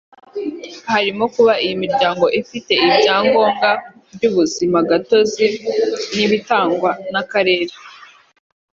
harimo kuba iyi miryango ifite ibya ngombwa by’ubuzima gatozi n’ibitangwa n’Akarere